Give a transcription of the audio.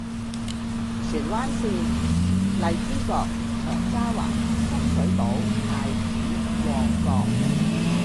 荃灣綫：荔枝角，長沙灣，深水埗，太子，旺角